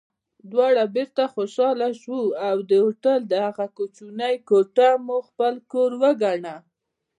دواړه بېرته خوشحاله شوو او د هوټل دغه کوچنۍ کوټه مو خپل کور وګاڼه.